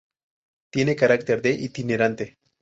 Tiene carácter de itinerante.